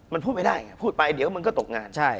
มันพูดไม่ได้ไงพูดไปเดี๋ยวมันก็ตกงาน